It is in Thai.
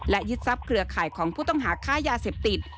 และยึดทรัพย์เครือข่ายของผู้ต้องหาค้ายาเสพติด